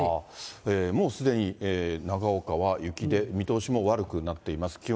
もうすでに長岡は雪で見通しも悪くなっています。